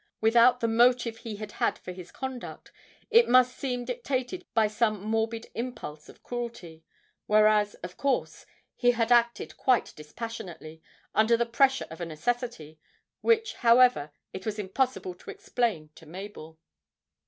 Without the motive he had had for his conduct, it must seem dictated by some morbid impulse of cruelty whereas, of course, he had acted quite dispassionately, under the pressure of a necessity which, however, it was impossible to explain to Mabel.